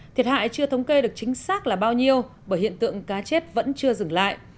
thiệt hại chưa thống kê được chính xác là bao nhiêu bởi hiện tượng cá chết vẫn chưa dừng lại